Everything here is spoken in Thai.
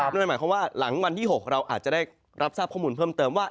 นั่นหมายความว่าหลังวันที่๖เราอาจจะได้รับทราบข้อมูลเพิ่มเติมว่า